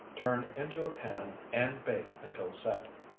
Turn into a pan and bake until set.